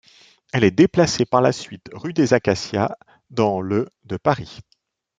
Elle est déplacée par la suite rue des Acacias, dans le de Paris.